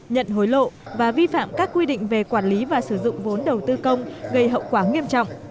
nhận hối lộ và vi phạm các quy định về quản lý và sử dụng vốn đầu tư công gây hậu quả nghiêm trọng